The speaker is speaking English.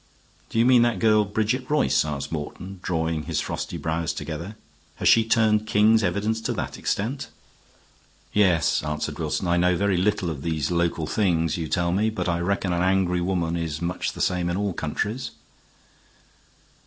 "Do you mean that girl Bridget Royce?" asked Morton, drawing his frosty brows together. "Has she turned king's evidence to that extent?" "Yes," answered Wilson. "I know very little of these local things, you tell me, but I reckon an angry woman is much the same in all countries."